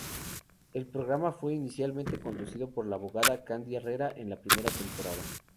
El programa fue inicialmente conducido por la abogada Candy Herrera en la primera temporada.